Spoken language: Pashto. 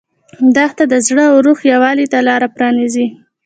دښته د زړه او روح یووالي ته لاره پرانیزي.